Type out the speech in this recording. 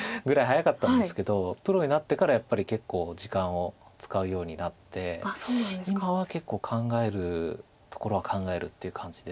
早かったんですけどプロになってからやっぱり結構時間を使うようになって今は結構考えるところは考えるっていう感じですか。